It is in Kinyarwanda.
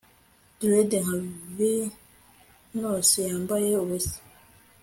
tread, nka venusi yambaye ubusa